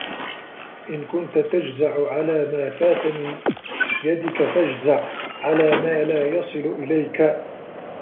إنْ كُنْت تَجْزَعُ عَلَى مَا فَاتَ مِنْ يَدِك فَاجْزَعْ عَلَى مَا لَا يَصِلُ إلَيْك